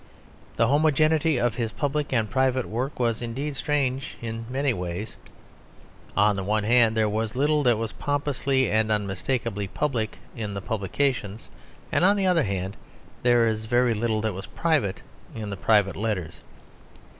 The homogeneity of his public and private work was indeed strange in many ways. On the one hand, there was little that was pompously and unmistakably public in the publications; on the other hand, there was very little that was private in the private letters.